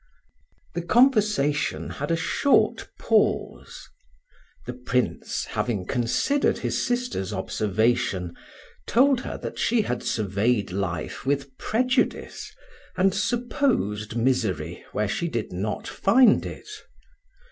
THE conversation had a short pause. The Prince, having considered his sister's observation, told her that she had surveyed life with prejudice and supposed misery where she did not find it.